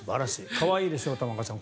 可愛いでしょ、玉川さん。